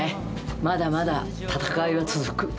まだまだ闘いは続く。